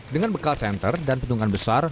dengan bekal senter dan petungan besar